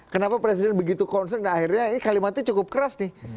kenapa presiden begitu concern dan akhirnya ini kalimatnya cukup keras nih